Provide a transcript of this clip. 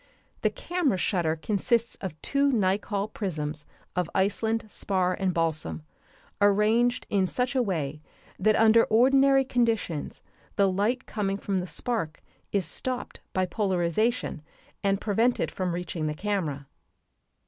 The camera shutter consists of two Nicol prisms of Iceland spar and balsam, arranged in such a way that under ordinary conditions the light coming from the spark is stopped by polarization and prevented from reaching the camera.